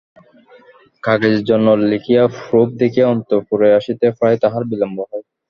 কাগজের জন্য লিখিয়া প্রুফ দেখিয়া অন্তঃপুরে আসিতে প্রায়ই তাহার বিলম্ব হয়।